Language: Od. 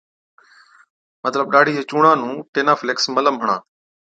مطلب، ڏاڙهِي چي چُونڻان نُون ٽِينافيڪس Tineafax Ointment ملم هڻا